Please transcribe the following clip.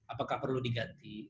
apakah perlu diganti